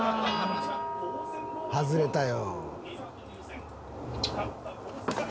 外れたよ。